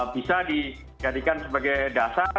bisa dijadikan sebagai dasar